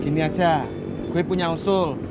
gini aja gue punya usul